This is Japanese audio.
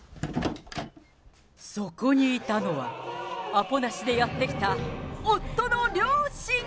そこにいたのは、アポなしでやって来た、夫の両親。